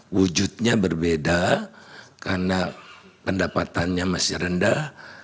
wujudnya berbeda karena pendapatannya masih rendah